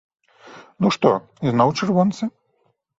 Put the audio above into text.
Ну што, ізноў чырвонцы?